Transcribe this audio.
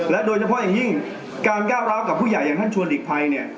โดยเฉพาะอย่างยิ่งการก้าวร้าวกับผู้ใหญ่อย่างท่านชวนหลีกภัยเนี่ย